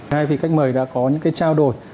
hai vị khách mời đã có những cái trao đổi